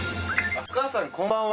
お母さんこんばんは。